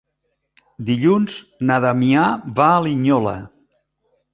Dilluns na Damià va a Linyola.